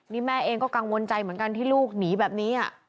นี่แม่เองก็กังวลใจเหมือนกันที่ลูกหนีแบบนี้